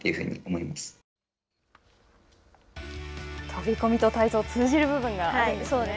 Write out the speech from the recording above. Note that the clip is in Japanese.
飛び込みと体操通じる部分があるんですね。